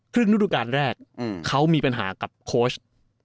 ครึ่งธุรกาลแรกเขามีปัญหากับโค้ช